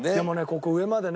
ここ上までね